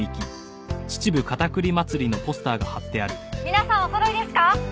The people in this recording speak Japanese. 皆さんおそろいですか？